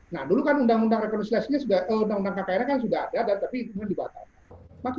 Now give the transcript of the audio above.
nah dulu kan undang undang kkn kan sudah ada tapi itu sudah dibatalkan